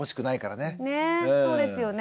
ねえそうですよね。